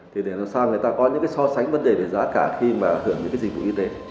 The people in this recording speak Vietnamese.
thì để làm sao người ta có những cái so sánh vấn đề về giá cả khi mà hưởng những cái dịch vụ y tế